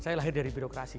saya lahir dari birokrasi